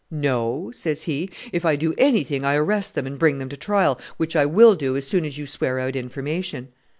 'No,' says he; 'if I do anything I arrest them and bring them to trial, which I will do as soon as you swear out information.'